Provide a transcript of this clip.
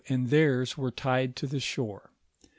lift and theirs were tied to the shore.